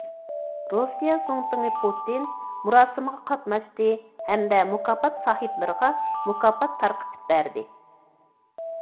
رۇسىيە زۇڭتۇڭى پۇتىن مۇراسىمغا قاتناشتى ھەمدە مۇكاپات ساھىبلىرىغا مۇكاپات تارقىتىپ بەردى.